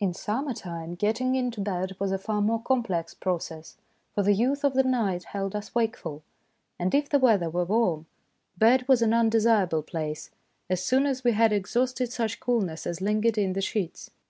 In summer time getting into bed was a far more complex process, for the youth of the night held us wakeful ; and if the weather were warm, bed was an undesirable place as soon as we had exhausted such coolness as lingered in the sheets.